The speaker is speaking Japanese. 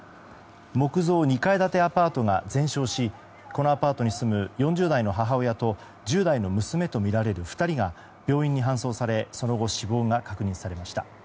木造２階建てアパートが全焼しこのアパートに住む４０代の母親と１０代の娘とみられる２人が病院に搬送されその後死亡が確認されました。